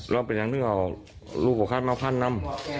แล้วเป็นยังที่เขารูปคัมเอาคันนำ